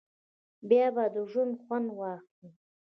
بیا به د ژونده خوند واخلی.